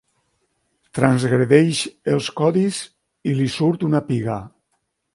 Transgredeix els codis i li surt una piga.